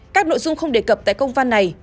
các nội dung không đề cập tại công văn này